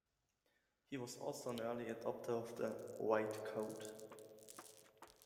He was also an early adopter of the "white coat".